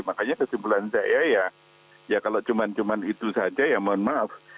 makanya kesimpulan saya ya kalau cuma cuma itu saja ya mohon maaf